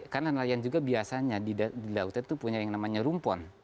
karena nelayan juga biasanya di daerah itu punya yang namanya rumpon